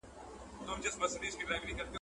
مثبت معلومات مو د ژوند کیفیت ښه کوي.